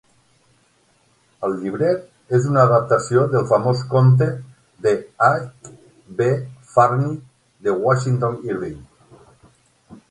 El llibret és una adaptació del famós conte de H. B. Farnie de Washington Irving.